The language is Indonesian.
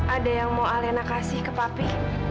ada yang mau alena kasih ke papi